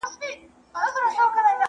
څو مجمر د آسمان تود وي ,